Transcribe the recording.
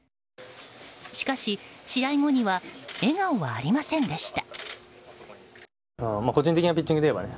しかし、試合後には笑顔はありませんでした。